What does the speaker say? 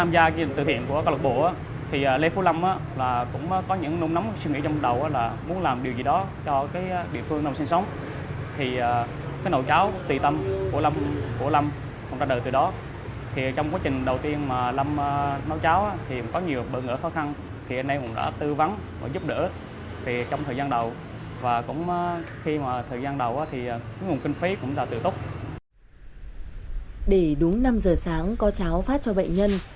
để đúng năm giờ sáng có cháo phát cho bệnh nhân